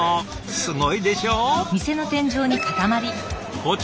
すごいでしょ？